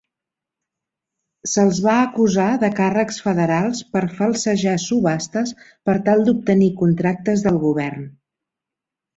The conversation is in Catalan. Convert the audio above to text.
Se'ls va acusar de càrrecs federals per falsejar subhastes per tal d'obtenir contractes del govern.